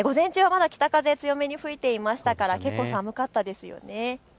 午前中はまだ北風強めに吹いていましたから結構寒かったですよね。